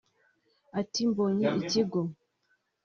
Ati “Mbonye ikigo